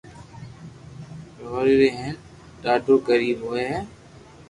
گوزاري ھي ھين ڌاڌو غرين ھوئي ھي